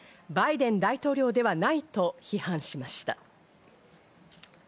バイデン大統領ではないと批判しました。